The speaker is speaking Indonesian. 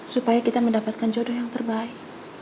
supaya kita mendapatkan jodoh yang terbaik